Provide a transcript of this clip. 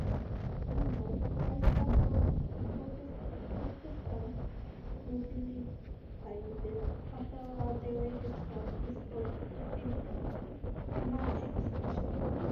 Meanwhile, Ulster Protestants mobilised, after a delayed start, to stop emancipation.